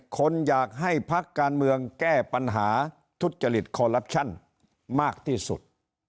คนอยากให้ภักดิ์การเมืองแก้ปัญหาทุจริตมากที่สุด